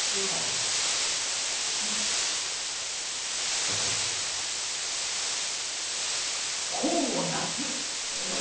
そこでじゃ本を出す！